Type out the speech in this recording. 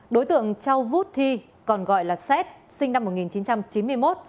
đối tượng châu vút thi còn gọi là xét sinh năm một nghìn chín trăm chín mươi một